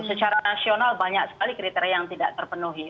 secara nasional banyak sekali kriteria yang tidak terpenuhi